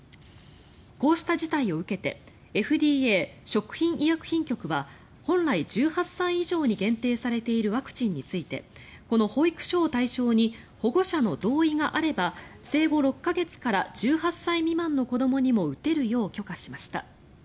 こうした事態を受けてＦＤＡ・食品医薬品局は本来１８歳以上に限定されているワクチンについてこの保育所を対象に保護者の同意があれば生後６か月から１８歳未満の子どもにも打てるよう許可しました。